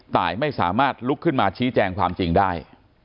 ไม่สามารถลุกขึ้นมาชี้แจงความจริงได้